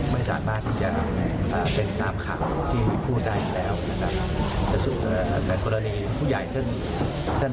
ว่านักข่าวค่ะ